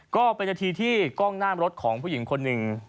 ก็เป็นนาทีที่กล้องหน้ารถของผู้หญิงคนหนึ่ง